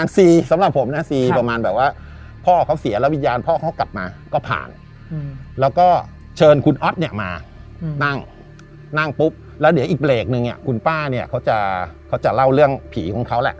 นั่งปุ๊บแล้วเดี๋ยวอีกเบรกนึงคุณป้าเขาจะเล่าเรื่องผีของเขาแหละ